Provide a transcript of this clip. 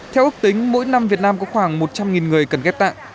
theo ước tính mỗi năm việt nam có khoảng một trăm linh người cần ghép tạng